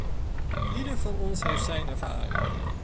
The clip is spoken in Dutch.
Ieder van ons heeft zijn ervaringen.